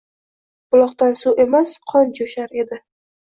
Buloqdan suv emas, qon jo’shar edi